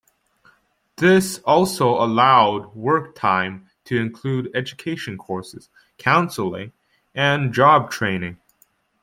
This also allowed work time to include education courses, counseling, and job training.